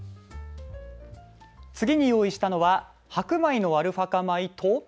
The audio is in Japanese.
次に用意したのは白米のアルファ化米と。